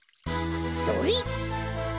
それ！